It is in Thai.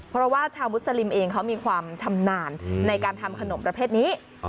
เพราะว่าชาวมุสลิมเองเขามีความชำนาญในการทำขนมประเภทนี้